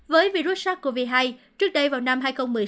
với virus sars cov hai trước đây vào năm hai nghìn một mươi sáu